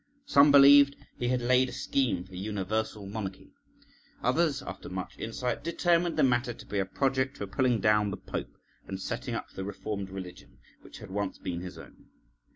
Some believed he had laid a scheme for universal monarchy; others, after much insight, determined the matter to be a project for pulling down the Pope and setting up the Reformed religion, which had once been his own.